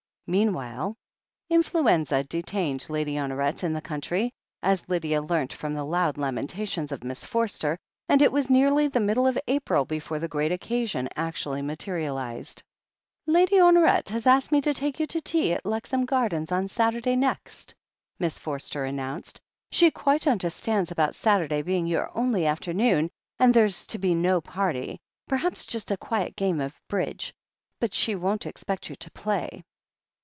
Meanwhile influenza detained Lady Honoret in the country, as Lydia learnt from the loud lamentations of Miss Forster, and it was nearly the middle of April before the great occasion actually materialized. "Lady Honoret has asked me to take you to tea at Lexham Gardens on Saturday next," Miss Forster an nounced. "She quite xmderstands about Saturday being your only afternoon, and there's to be no party — perhaps just a quiet game of Bridge, but she won't expect you to play."